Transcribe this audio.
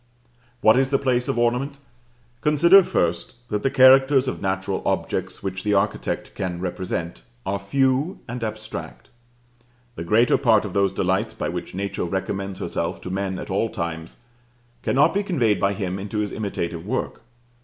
What is the place of ornament? Consider first that the characters of natural objects which the architect can represent are few and abstract. The greater part of those delights by which Nature recommends herself to man at all times, cannot be conveyed by him into his imitative work.